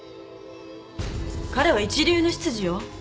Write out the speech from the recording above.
彼は一流の執事よ。